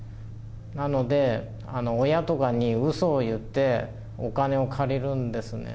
なので、親とかにうそを言って、お金を借りるんですね。